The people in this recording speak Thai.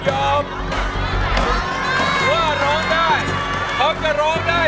โลกใจโลกใจโลกใจโลกใจ